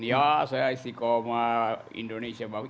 ya saya istiqomah indonesia bagus